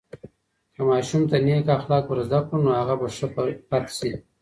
که ماشوم ته نیک اخلاق ورزده کړو، نو هغه به ښه فرد سي.